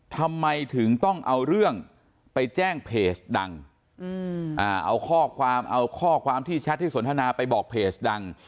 ทำไมถึงต้องเอาเรื่องไปแจ้งเพจดังเอาข้อความที่ชัดให้สนทนาไปบอกเพจดัง